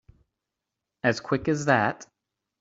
As quick as that?